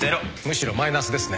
むしろマイナスですね。